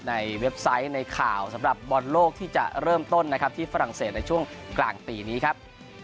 เว็บไซต์ในข่าวสำหรับบอลโลกที่จะเริ่มต้นนะครับที่ฝรั่งเศสในช่วงกลางปีนี้ครับ